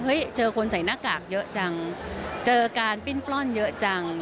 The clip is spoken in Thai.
เจอคนใส่หน้ากากเยอะจังเจอการปิ้นปล้นเยอะจัง